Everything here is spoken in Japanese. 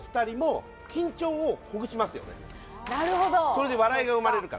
それで笑いが生まれるから。